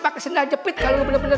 pakai sendal jepit kalau lo bener bener